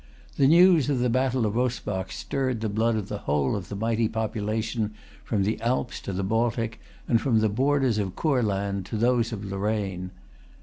The news of the battle of Rosbach stirred the blood of the whole of the mighty population from the Alps to the Baltic, and from the borders of Courland to those of Lorraine.